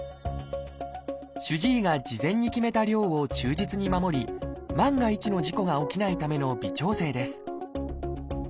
主治医が事前に決めた量を忠実に守り万が一の事故が起きないための微調整です